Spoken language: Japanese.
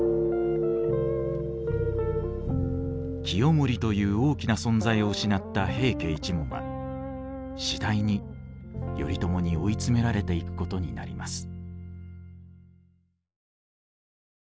清盛という大きな存在を失った平家一門は次第に頼朝に追い詰められていくことになります。